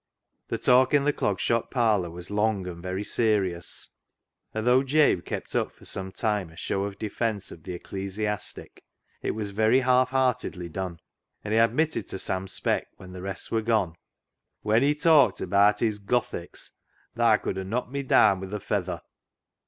The talk in the Clog Shop parlour was long and very serious ; and though Jabe kept up for some time a show of defence of the ecclesiastic, i*" was very half heartedly done, and he admitted to Sam Speck when the rest were gone —" When he talked abaat his Gothics, thaa could 'a knocked me daan wi' a feather."